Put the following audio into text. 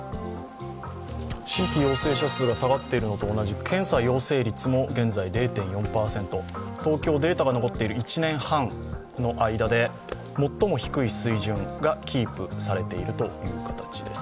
新規陽性者数が下がっているのと同じ、検査陽性率も現在０．４％、東京、データが残ってる１年半の間で最も低い水準がキープされているという形です。